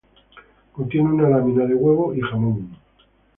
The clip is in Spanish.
Contiene una lámina de huevo y jamón.